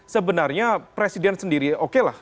sebenarnya presiden sendiri oke lah